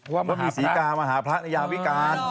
เพราะว่ามีศีรกามหาพระในยามวิการ